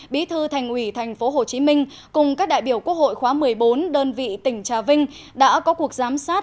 bí thư thành ủy tp hcm cùng các đại biểu quốc hội khóa một mươi bốn đơn vị tỉnh trà vinh đã có cuộc giám sát